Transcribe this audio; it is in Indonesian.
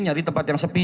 nyari tempat yang sepi